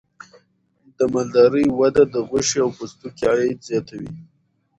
د مالدارۍ وده د غوښې او پوستکي عاید زیاتوي.